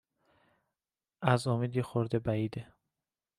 از امید یه خورده بعیده